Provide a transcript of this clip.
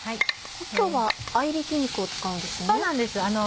今日は合びき肉を使うんですね。